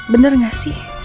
bener gak sih